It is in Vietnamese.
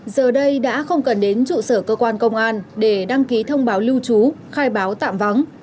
giờ đây đã không cần đến trụ sở cơ quan công an để đăng ký thông báo lưu trú khai báo tạm vắng